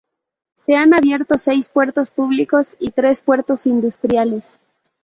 Se han abierto seis puertos públicos y tres puertos industriales.